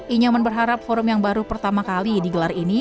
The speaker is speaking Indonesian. inyoman berharap forum yang baru pertama kali digelar ini